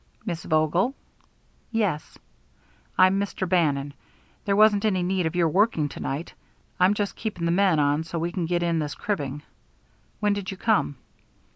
"Miss Vogel?" "Yes." "I'm Mr. Bannon. There wasn't any need of your working to night. I'm just keeping the men on so we can get in this cribbing. When did you come?"